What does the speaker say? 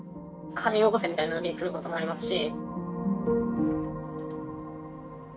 「金寄こせ」みたいな来ることもありますし。